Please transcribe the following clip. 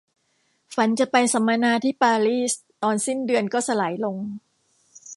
ฝันจะไปสัมมนาที่ปารีสตอนสิ้นเดือนก็สลายลง